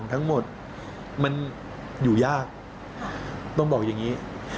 ทั้งหมดมันอยู่ยากต้องบอกอย่างนี้